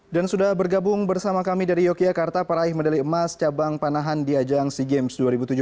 dan sudah bergabung bersama kami dari yogyakarta para ahli medali emas cabang panahan di ajang sea games dua ribu tujuh belas